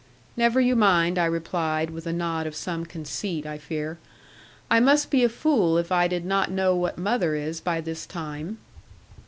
'Never you mind,' I replied, with a nod of some conceit, I fear: 'I must be a fool if I did not know what mother is by this time.'